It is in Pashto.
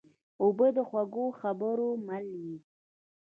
اوبه د خوږو خبرو مل وي.